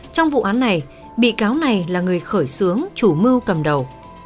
trong vụ án này bị cáo này là người khởi xướng chủ mưu cầm đầu